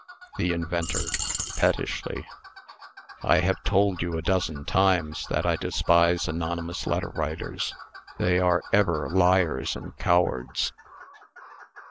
THE INVENTOR (pettishly). "I have told you a dozen times, that I despise anonymous letter writers. They are ever liars and cowards."